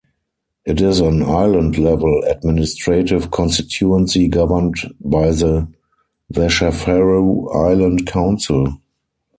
It is an island-level administrative constituency governed by the Vashafaru Island Council.